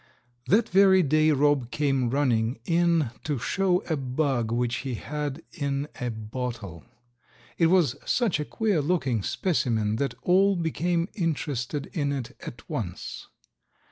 That very day Rob came running in to show a bug which he had in a bottle. It was such a queer looking specimen that all became interested in it at once.